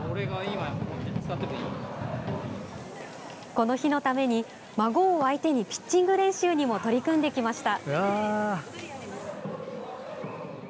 この日のために、孫を相手にピッチング練習にも取り組んできました。